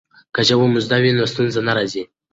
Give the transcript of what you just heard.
که ژبه مو زده وي نو ستونزې نه راځي.